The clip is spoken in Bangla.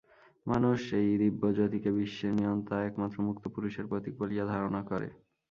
মানুষ এই দিব্যজ্যোতিকে বিশ্বের নিয়ন্তা, একমাত্র মুক্ত পুরুষের প্রতীক বলিয়া ধারণা করে।